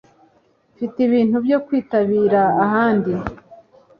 Mfite ibintu byo kwitabira ahandi